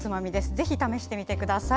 ぜひ試してみてください。